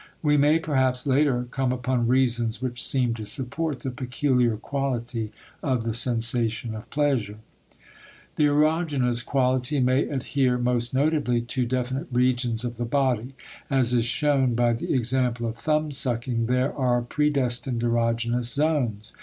We may perhaps later come upon reasons which seem to support the peculiar quality of the sensation of pleasure. The erogenous quality may adhere most notably to definite regions of the body. As is shown by the example of thumbsucking, there are predestined erogenous zones.